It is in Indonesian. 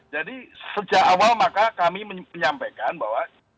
jadi sejak awal maka kami menyampaikan bahwa